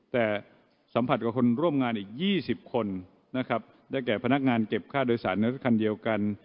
แต่สัมผัสกับคนร่วมงานอีก๒๐คนนะครับได้แก่พนักงานเก็บค่าโดยสารในรถคันเดียวกัน